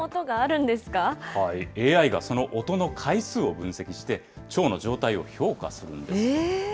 ＡＩがその音の回数を分析して、腸の状態を評価するんです。